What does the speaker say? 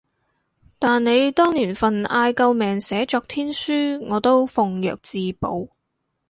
但你當年份嗌救命寫作天書，我都奉若至寶